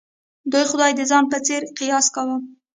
دوی خدای د ځان په څېر قیاس کاوه.